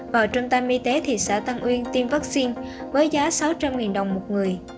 vào trung tâm y tế thị xã tân uyên tiêm vaccine với giá sáu trăm linh đồng một người